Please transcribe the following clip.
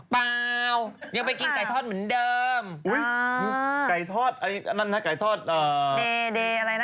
เปล่ายังไปกินไก่ทอดเหมือนเดิมอุ้ยไก่ทอดอันนั้นนะไก่ทอดเดย์อะไรนะ